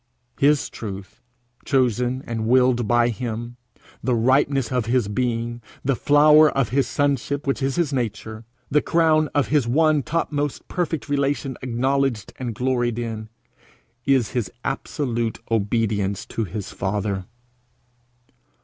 His truth, chosen and willed by him, the ripeness of his being, the flower of his sonship which is his nature, the crown of his one topmost perfect relation acknowledged and gloried in, is his absolute obedience to his father.